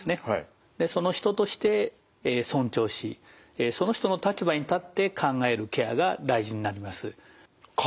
人として尊重しその人の立場に立って考えるケアが大事になります。